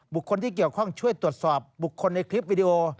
บุคคลที่เกี่ยวข้องช่วยตรวจสอบบุคคลในคลิปวิดีโอ